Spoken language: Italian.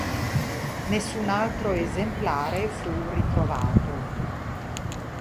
Nessun altro esemplare fu ritrovato.